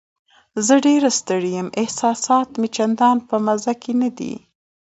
زه ډېره ستړې یم، احساسات مې چندان په مزه کې نه دي.